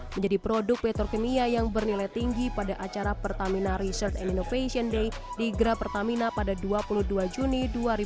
menjadi produk petrokimia yang bernilai tinggi pada acara pertamina research and innovation day di gra pertamina pada dua puluh dua juni dua ribu dua puluh